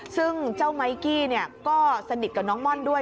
ซึ่งเจ้าไมกี้ก็สนิทกับน้องม่อนด้วย